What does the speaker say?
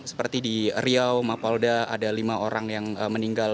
seperti di riau mapolda ada lima orang yang meninggal